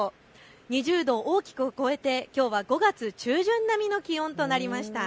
２０度を大きく超えてきょうは５月中旬並みの気温となりました。